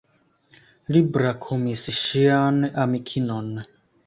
Li brakumis ŝian amikinon.